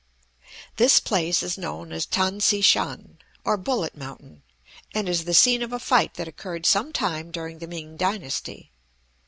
This place is known as Tan tsy shan, or Bullet Mountain, and is the scene of a fight that occurred some time during the Ming dynasty.